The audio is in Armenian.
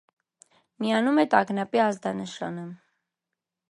Միանում է տագնապի ազդանշանը։